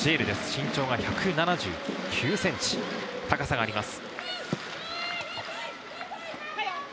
身長１７９ｃｍ、高さがあります。